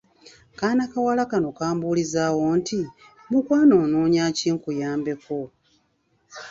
Kaanakawala kano kambuulizaawo nti, "Mukwano onoonya kaki nkuyambeko?"